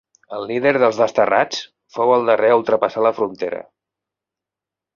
El líder dels desterrats fou el darrer a ultrapassar la frontera.